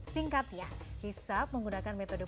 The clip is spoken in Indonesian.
singkat ya hisap menggunakan metode